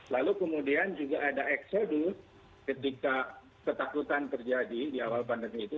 lalu kemudian juga ada exodus ketika ketakutan terjadi di awal pandemi itu